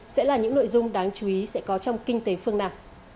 sẽ là những nội dung đáng chú ý sẽ có trong kinh tế phương nam